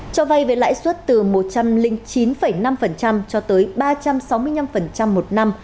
cho vay với lãi suất từ một trăm linh chín năm cho tới ba trăm sáu mươi năm một năm